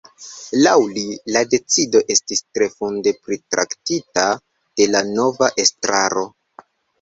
Laŭ li, la decido estis tre funde pritraktita de la nova estraro.